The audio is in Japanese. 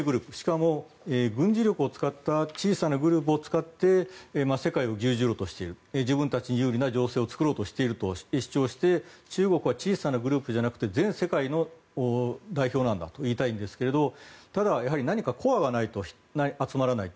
しかも軍事力を使った小さなグループを使って世界を牛耳ろうとしている自分たちに有利な情勢を作ろうとしていると主張して中国は小さなグループじゃなくて全世界の代表なんだといいたいんですけどただ、何かコアがないと集まらない。